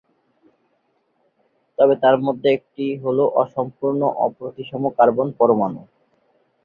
তবে তার মধ্যে একটি হল অসম্পূর্ণ অপ্রতিসম কার্বন পরমাণু।